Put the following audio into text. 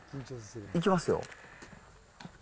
行きますよ。